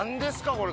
これ。